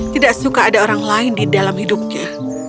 tidak suka ada orang lain di dalam hidupnya